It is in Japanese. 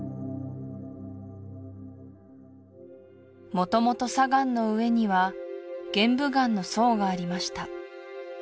もともと砂岩の上には玄武岩の層がありました